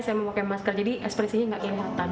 saya memakai masker jadi ekspresinya nggak kelihatan